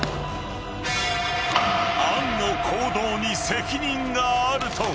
［杏の行動に責任があると